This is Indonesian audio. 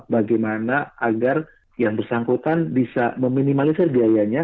bagaimana agar yang bersangkutan bisa meminimalisir biayanya